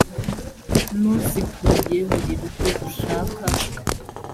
n uzikuriye buri rugo rushaka